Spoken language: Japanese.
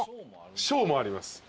小もあります。